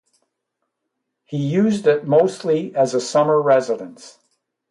He used it mostly as a summer residence.